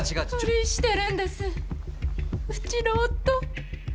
不倫してるんですうちの夫。